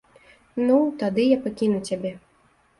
Ну, тады я пакіну цябе.